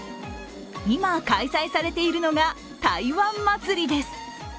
今、開催されているのが台湾祭です。